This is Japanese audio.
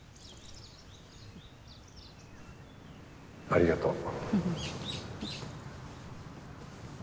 ありがとう